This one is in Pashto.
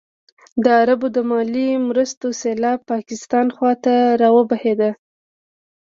د عربو د مالي مرستو سېلاب پاکستان خوا ته راوبهېده.